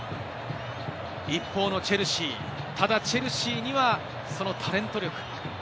一方のチェルシー、ただチェルシーにはこのタレント力。